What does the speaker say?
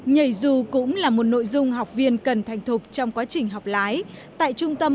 nhảy dù cũng là một nội dung học viên cần thành thục trong quá trình học lái tại trung tâm